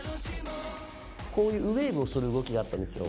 こういうウェーブをする動きがあったんですよ。